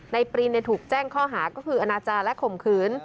ปรีนถูกแจ้งข้อหาก็คืออนาจารย์และข่มขืน